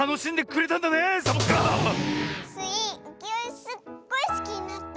すっごいすきになった。